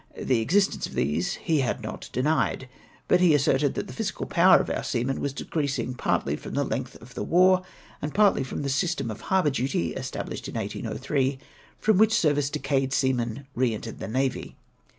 The existence of these he had not denied. But he asserted that the physical power of our seamen was decreasing partly from the length of the war and partly from the system of harbour duty established in 1803, from which service decayed seamen re entered the navy.